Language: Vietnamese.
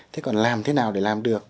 thế còn làm thế nào để làm được